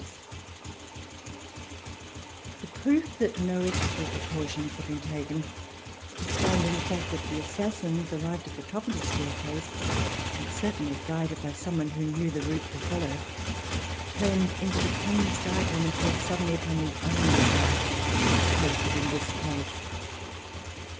VERSAILLES INVADED BY THE MOB The proof that no extra precautions had been taken, is found in the fact that the assassins, arrived at the top of the staircase, and certainly guided by some one who knew the route to follow, turned into the Queen's Guardroom and fell suddenly upon the only guard who was posted in this place.